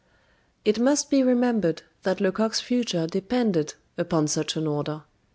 It must be remembered that Lecoq's future depended upon such an order.